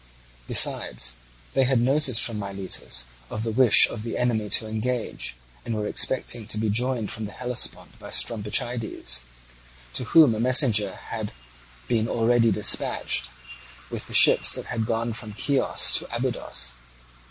Besides, they had notice from Miletus of the wish of the enemy to engage, and were expecting to be joined from the Hellespont by Strombichides, to whom a messenger had been already dispatched, with the ships that had gone from Chios to Abydos.